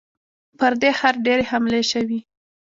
پر دې ښار ډېرې حملې شوي.